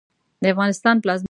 د افغانستان پلازمېنه کابل ده